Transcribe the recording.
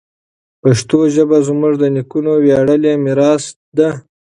پښتو ژبه زموږ د نیکونو ویاړلی میراث ده.